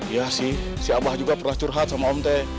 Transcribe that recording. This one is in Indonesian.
iya sih si abah juga pernah curhat sama om te